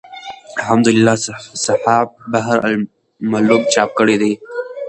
حمدالله صحاف بحر الملوم چاپ کړی دﺉ.